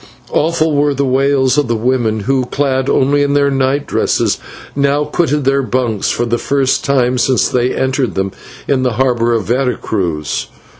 Awful were the wails of the women, who, clad only in their night dresses, now quitted their bunks for the first time since they entered them in the harbour of Vera Cruz.